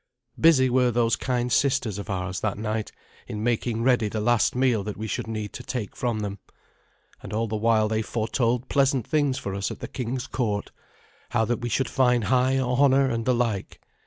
Busy were those kind sisters of ours that night in making ready the last meal that we should need to take from them. And all the while they foretold pleasant things for us at the king's court how that we should find high honour and the like.